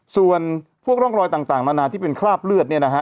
ส่วนพวกร่องรอยต่างนานาที่เป็นคราบเลือดเนี่ยนะฮะ